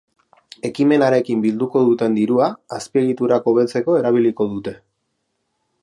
Ekimenarekin bilduko duten dirua azpiegiturak hobetzeko erabiliko dute.